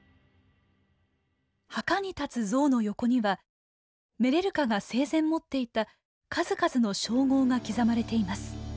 墓に立つ像の横にはメレルカが生前持っていた数々の称号が刻まれています。